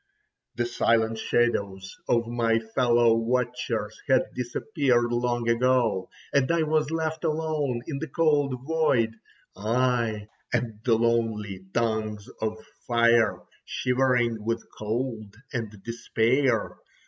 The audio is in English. The silent shadows of my fellow watchers had disappeared long ago, and I was left alone in the cold void, I—and the lonely tongues of fire shivering with cold and despair.